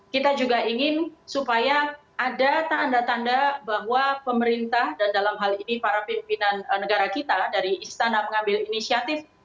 kita juga ingin supaya ada tanda tanda bahwa pemerintah dan dalam hal ini para pimpinan negara kita dari istana mengambil inisiatif